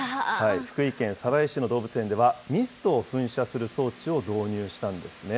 福井県鯖江市の動物園では、ミストを噴射する装置を導入したんですね。